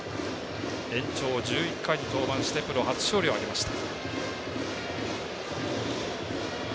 延長１１回に登板してプロ初勝利を挙げました。